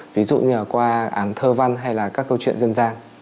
ví dụ như là qua án thơ văn hay là các câu chuyện dân gian